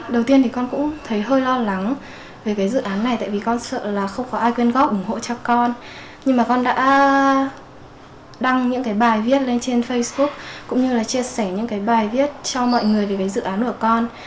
đăng những bài viết lên trên facebook cũng như chia sẻ những bài viết cho mọi người về dự án của con